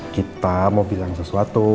kita mau bilang sesuatu